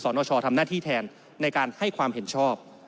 ดังนั้นก็คือสนชทำหน้าที่แทนในการให้ความเห็นชอบ